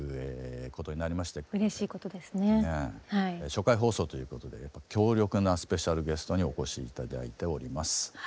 初回放送ということで強力なスペシャルゲストにお越し頂いております。